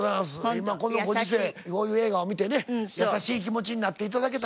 今このご時世こういう映画を見てね優しい気持ちになって頂けたらと。